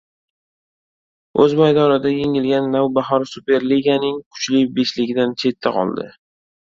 O‘z maydonida yengilgan "Navbahor" Superliganing kuchli beshligidan chetda qoldi